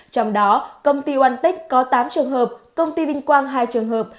trong đó công ty onetech có tám trường hợp công ty vinh quang hai trường hợp